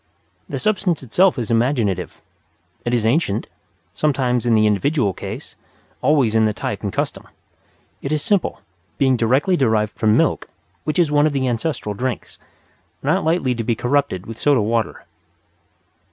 The substance itself is imaginative. It is ancient sometimes in the individual case, always in the type and custom. It is simple, being directly derived from milk, which is one of the ancestral drinks, not lightly to be corrupted with soda water.